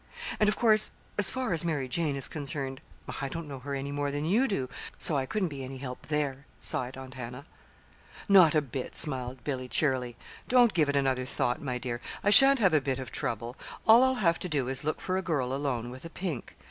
"And, of course, as far as Mary Jane is concerned, I don't know her any more than you do; so I couldn't be any help there," sighed Aunt Hannah. "Not a bit," smiled Billy, cheerily. "Don't give it another thought, my dear. I sha'n't have a bit of trouble. All I'll have to do is to look for a girl alone with a pink.